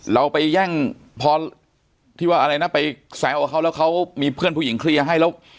เราไปแย่งพอที่ว่าอะไรนะไปแซวกับเขาแล้วเขามีเพื่อนผู้หญิงเคลียร์ให้แล้ว